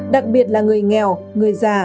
đặc biệt là người nghèo người già